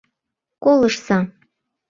Колыштса!..